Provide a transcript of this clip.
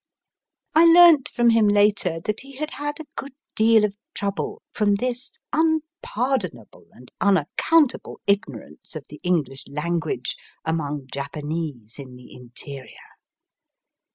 265 I learnt from him later that he had had a good deal of trouble from this unpardonable and unaccountable ignorance of the EngKsh language among Japanese in the interior.